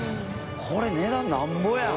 これ値段なんぼやろ？